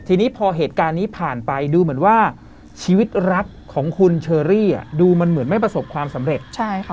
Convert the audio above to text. ทีนี้พอเหตุการณ์นี้ผ่านไปดูเหมือนว่าชีวิตรักของคุณเชอรี่ดูมันเหมือนไม่ประสบความสำเร็จ